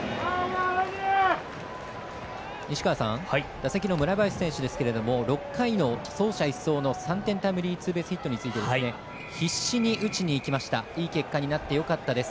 打席の村林選手ですけども６回の走者一掃の３点タイムリーツーベースヒットについて必死に打ちにいきましたいい結果になってよかったです。